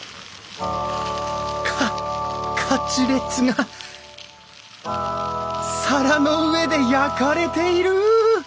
カカツレツが皿の上で焼かれている！